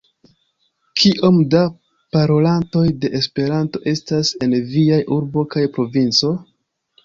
Kiom da parolantoj de Esperanto estas en viaj urbo kaj provinco?